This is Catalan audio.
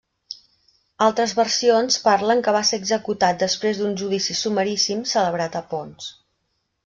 Altres versions parlen que va ser executat després d'un judici sumaríssim celebrat a Ponts.